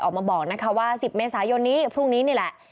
ออกมาบอกนะคะว่า๑๐เมษายนนี้พรุ่งนี้นี่แหละ